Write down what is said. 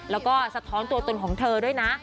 แล้วก็สะท้อนตัวตึงของเธอด้วยนะ